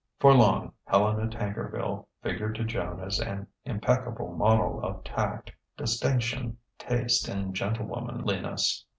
For long Helena Tankerville figured to Joan as an impeccable model of tact, distinction, taste, and gentlewomanliness.